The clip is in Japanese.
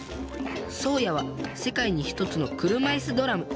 そうやは世界に一つの車いすドラム。